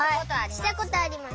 したことあります。